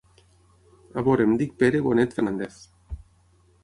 A veure em dic Pere Bonet Fernández.